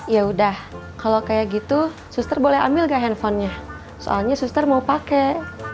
ya udah kalau kayak gitu suster boleh ambil gak handphonenya soalnya suster mau pakai